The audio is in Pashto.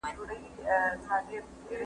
زحمت انسان بريالی کوي.